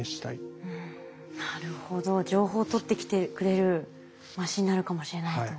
情報を取ってきてくれるマシンになるかもしれないと。